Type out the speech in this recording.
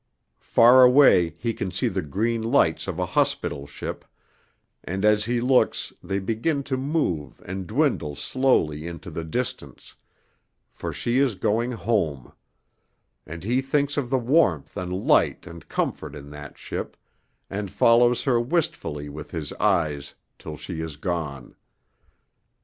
Far away he can see the green lights of a hospital ship, and as he looks they begin to move and dwindle slowly into the distance, for she is going home; and he thinks of the warmth and light and comfort in that ship, and follows her wistfully with his eyes till she is gone.